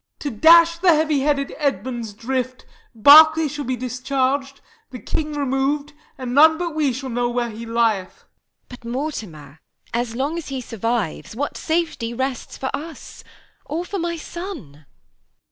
_ To dash the heavy headed Edmund's drift, Berkeley shall be discharg'd, the king remov'd, And none but we shall know where he lieth. Q. Isab. But, Mortimer, as long as he survives, What safety rests for us or for my son?